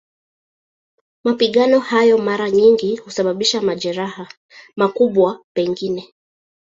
Mapigano hayo mara nyingi husababisha majeraha, makubwa pengine.